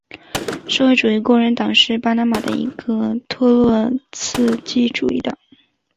社会主义工人党是巴拿马的一个托洛茨基主义政党。